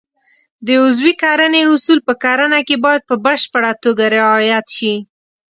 د عضوي کرنې اصول په کرنه کې باید په بشپړه توګه رعایت شي.